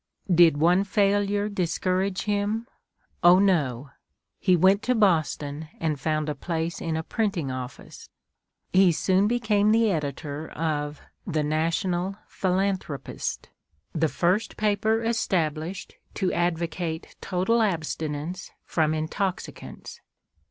Did one failure discourage him? Oh, no! He went to Boston, and found a place in a printing office. He soon became the editor of the "National Philanthropist," the first paper established to advocate total abstinence from intoxicants.